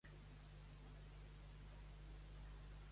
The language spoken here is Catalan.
La convenció és "posar en cursiva" el nom quan es refereix all gen.